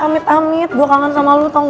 amit amit gue kangen sama lu tau gak